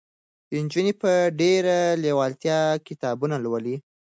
نجونې په ډېره لېوالتیا کتابونه لولي.